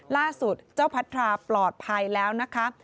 ล่าสุดเจ้าพัทราปลอดภัยแล้วนะคะ